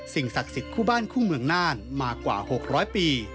ศักดิ์สิทธิ์คู่บ้านคู่เมืองน่านมากว่า๖๐๐ปี